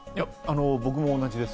僕も同じです。